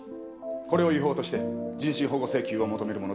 これを違法として人身保護請求を求めるものであります。